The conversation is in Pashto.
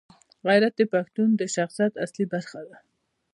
غیرت د پښتون د شخصیت اصلي برخه ده.